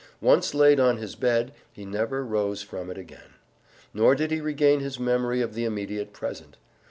Once laid on his bed, he never rose from it again. Nor did he regain his memory of the immediate present.